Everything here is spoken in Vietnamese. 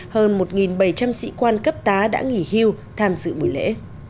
hơn một bảy trăm linh sĩ quan cấp tá đã nghỉ hưu tham dự buổi lễ